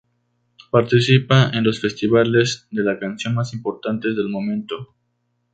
Participa en los festivales de la canción más importantes del momento.